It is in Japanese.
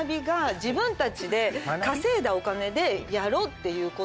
自分たちで稼いだお金でやろうっていうことの。